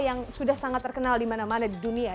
yang sudah sangat terkenal di mana mana di dunia